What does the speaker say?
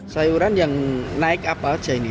sayuran yang naik apa aja ini